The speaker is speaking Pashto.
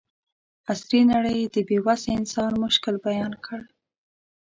عصري نړۍ د بې وسه انسان مشکل بیان کړ.